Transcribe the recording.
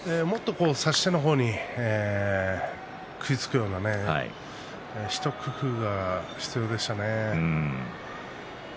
差し手の方に食いつくような一工夫が必要でしたね。